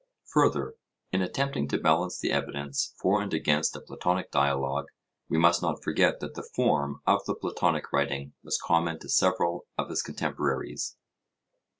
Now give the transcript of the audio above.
Further, in attempting to balance the evidence for and against a Platonic dialogue, we must not forget that the form of the Platonic writing was common to several of his contemporaries.